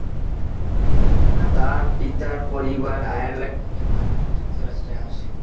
তার পিতার পরিবার আয়ারল্যান্ড হতে মার্কিন যুক্তরাষ্ট্রে আসে।